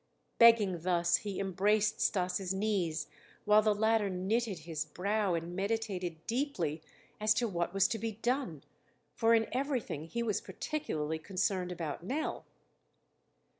Begging thus, he embraced Stas' knees, while the latter knitted his brow and meditated deeply as to what was to be done, for in everything he was particularly concerned about Nell.